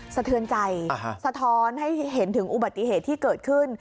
สะเทือนใจสะท้อนให้เห็นถึงอุบัติเหตุที่เกิดขึ้น